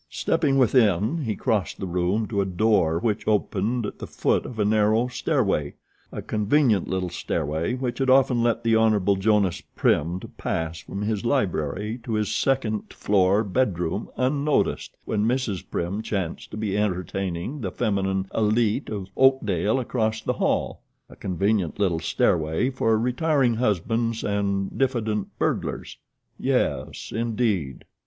Stepping within he crossed the room to a door which opened at the foot of a narrow stairway a convenient little stairway which had often let the Hon. Jonas Prim pass from his library to his second floor bed room unnoticed when Mrs. Prim chanced to be entertaining the feminine elite of Oakdale across the hall. A convenient little stairway for retiring husbands and diffident burglars yes, indeed!